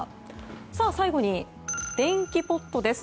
さあ、最後に電気ポットです。